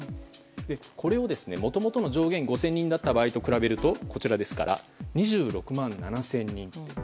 これをもともとの上限５０００人だった場合と比べるとこちらは２６万７０００人。